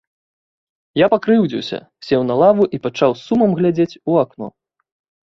Я пакрыўдзіўся, сеў на лаву і пачаў з сумам глядзець у акно.